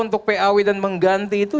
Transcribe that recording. untuk paw dan mengganti itu